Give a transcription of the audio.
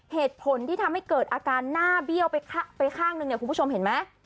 เหตุผลที่ทำให้เกิดอาการหน้าเบี้ยวไปข้างหนึ่งเนี่ยคุณผู้ชมเห็นไหม